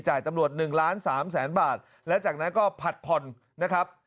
ตำรวจ๑ล้านสามแสนบาทและจากนั้นก็ผัดผ่อนนะครับ